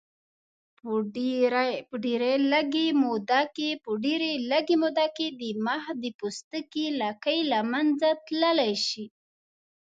په ډېرې لږې موده کې د مخ د پوستکي لکې له منځه تللی شي.